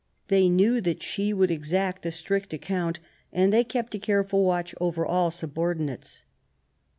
They knew that she would exact a strict account, and they kept a careful watch over all subordinates.